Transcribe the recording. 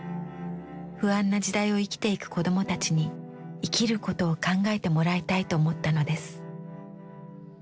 不安な時代を生きていく子供たちに生きることを考えてもらいたいと思ったのです。